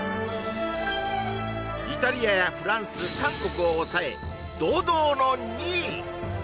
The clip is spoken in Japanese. イタリアやフランス韓国を抑え堂々の２位！